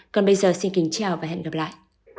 còn bây giờ xin kính chào và hẹn gặp lại